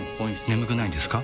眠くないですか？